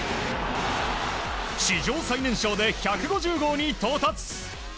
史上最年少で１５０号に到達。